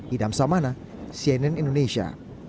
idam samana cnn indonesia